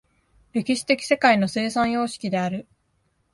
歴史的世界の生産様式である。